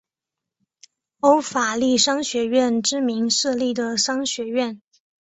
欧法利商学院之名设立的商学院。